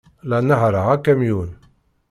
La nehhṛeɣ akamyun.